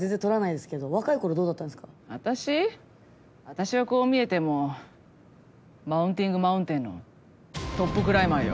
私はこう見えてもマウンティングマウンテンのトップクライマーよ。